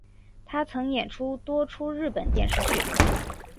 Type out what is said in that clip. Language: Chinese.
她曾演出多出日本电视剧。